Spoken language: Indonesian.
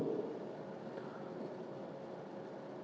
dan kami akan mencoba untuk memperbaiki kemampuan kami untuk mencapai kemampuan kami